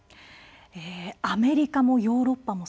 アメリカもヨーロッパ